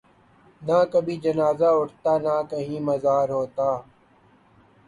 نہ کبھی جنازہ اٹھتا نہ کہیں مزار ہوتا